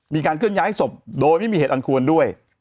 มีการเคลื่อนย้ายศพโดยไม่มีเหตุอันควรด้วย